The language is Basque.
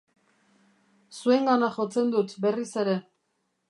Zuengana jotzen dut, berriz ere.